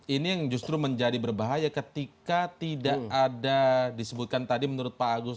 ini yang justru menjadi berbahaya ketika tidak ada disebutkan tadi menurut pak agus